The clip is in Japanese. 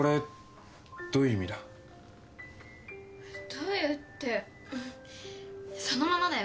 どういうってそのままだよ。